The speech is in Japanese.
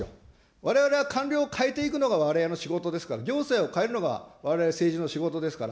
われわれは官僚を変えていくのがわれわれの仕事ですから、行政を変えるのがわれわれ政治の仕事ですから。